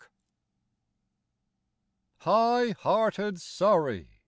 HIGH HEARTED Surrey!